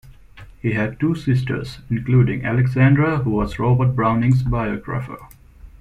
He had two sisters including Alexandra who was Robert Browning's biographer.